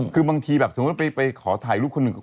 คือบางทีสมมุติว่าไปขอถ่ายลูกคนหนึ่ง